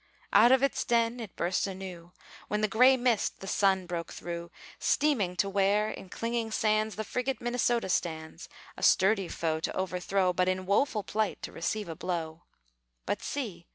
Out of its den it burst anew, When the gray mist the sun broke through, Steaming to where, in clinging sands, The frigate Minnesota stands, A sturdy foe to overthrow, But in woful plight to receive a blow. But see!